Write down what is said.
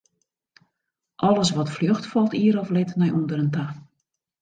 Alles wat fljocht, falt ier of let nei ûnderen ta.